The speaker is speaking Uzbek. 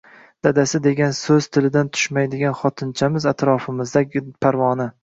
Dadasi degan so'z tilidan tushmaydigan xotinchamiz atrofimizda parvona